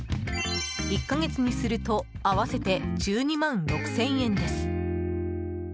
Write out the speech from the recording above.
１か月にすると合わせて１２万６０００円です。